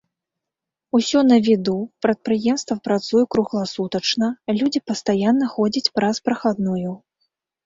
Усё на віду, прадпрыемства працуе кругласутачна, людзі пастаянна ходзяць праз прахадную.